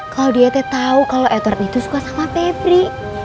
claudia itu tahu kalau edward itu suka sama febri